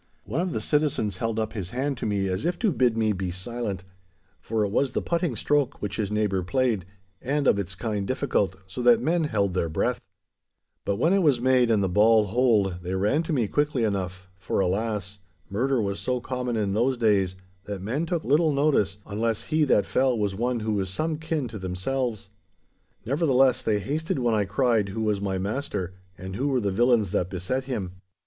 One of the citizens held up his hand to me as if to bid me be silent, for it was the putting stroke which his neighbour played, and of its kind difficult, so that men held their breath. But when it was made and the ball holed, they ran to me quickly enough, for, alas! murder was so common in those days, that men took little notice unless he that fell was one who was some kin to themselves. Nevertheless, they hasted when I cried who was my master, and who were the villains that beset him.